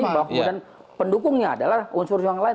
bahwa kemudian pendukungnya adalah unsur unsur yang lain